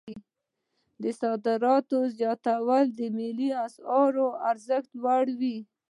د صادراتو زیاتوالی د ملي اسعارو ارزښت لوړوي.